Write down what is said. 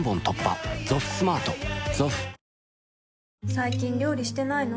最近料理してないの？